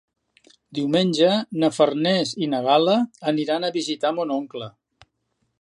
Diumenge na Farners i na Gal·la aniran a visitar mon oncle.